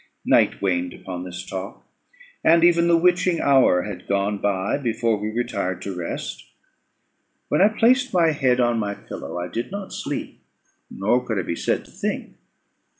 Night waned upon this talk, and even the witching hour had gone by, before we retired to rest. When I placed my head on my pillow, I did not sleep, nor could I be said to think.